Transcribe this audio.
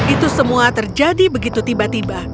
itu semua terjadi begitu tiba tiba